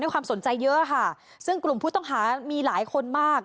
ความสนใจเยอะค่ะซึ่งกลุ่มผู้ต้องหามีหลายคนมาก